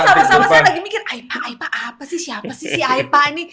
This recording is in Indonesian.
walaupun sama sama saya lagi mikir aepa apa sih siapa sih si aepa ini